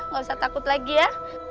gak usah takut lagi ya